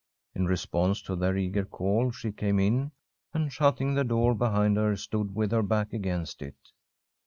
In response to their eager call, she came in, and, shutting the door behind her, stood with her back against it.